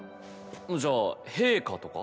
じゃあ陛下とか？